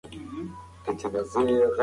حرفه او صنعت د پرمختګ سبب کیږي.